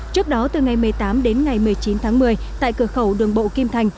trước đó từ ngày một mươi tám đến ngày một mươi chín tháng một mươi tại cửa khẩu đường bộ kim thành